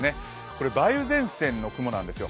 これ梅雨前線の雲なんですよ。